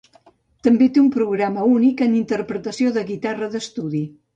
També té un programa únic en interpretació de guitarra d'estudi.